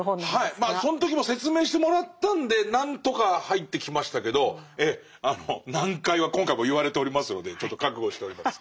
その時も説明してもらったんで何とか入ってきましたけどええ難解は今回も言われておりますのでちょっと覚悟しております